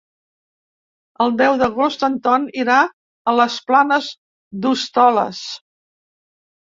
El deu d'agost en Ton irà a les Planes d'Hostoles.